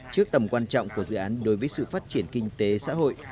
trước tầm quan trọng của dự án đối với sự phát triển kinh tế xã hội